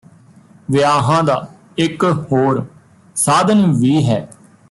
ਵਿਆਹਾਂ ਦਾ ਇੱਕ ਹੋਰ ਸਾਧਨ ਵੀ ਹੈ